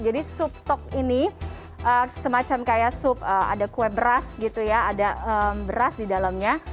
jadi sup tok ini semacam kayak sup ada kue beras gitu ya ada beras di dalamnya